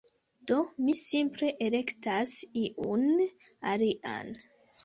Do, mi simple elektas iun alian